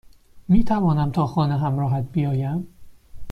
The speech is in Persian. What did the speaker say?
میتوانم تا خانه همراهت بیایم؟